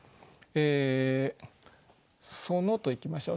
「その」といきましょう。